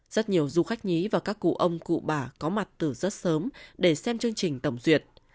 rất nhiều du khách nhí và các cụ ông cụ bà có mặt từ rất sớm để xem chương trình tổng duyệt